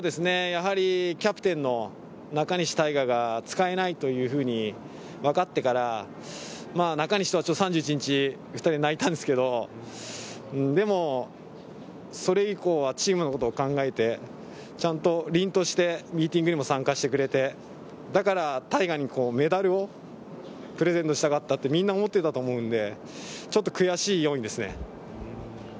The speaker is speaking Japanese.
キャプテンの中西大翔が使えないと分かってから、中西とは３１日、２人で泣いたのですが、それ以降はチームのことを考えて、ちゃんと凛としてミーティングにも参加してくれて大翔にメダルをプレゼントしたかったと、みんな思っていたと思うので、悔しい要因ですね。